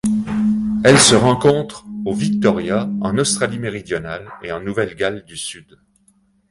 Elle se rencontre au Victoria, en Australie-Méridionale et en Nouvelle-Galles du Sud.